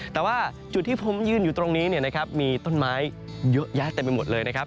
แต่ว่าจุดที่ผมยืนอยู่ตรงนี้มีต้นไม้เยอะแยะเต็มไปหมดเลยนะครับ